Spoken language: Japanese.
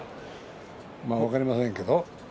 分かりませんけど。